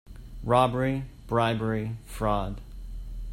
Robbery, bribery, fraud